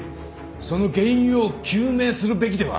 その原因を究明するべきでは？